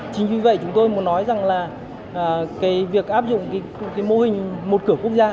chính vì vậy chúng tôi muốn nói rằng là cái việc áp dụng cái mô hình một cửa quốc gia